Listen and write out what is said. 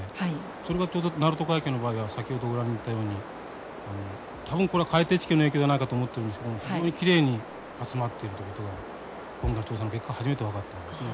それがちょうど鳴門海峡の場合は先程ご覧になったように多分これは海底地形の影響じゃないかと思ってるんですけども非常にきれいに集まっているということが今回の調査の結果初めて分かったんですね。